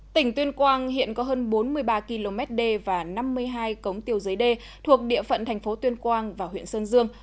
tỉnh tuyên quang hiện có hơn bốn mươi ba km đê và năm mươi hai cống tiêu giới đê thuộc địa phận thành phố tuyên quang và huyện sơn dương